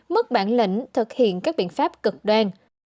mất bản lĩnh thực hiện các biện pháp cực đoan